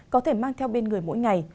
có thể mang theo bên người mỗi ngày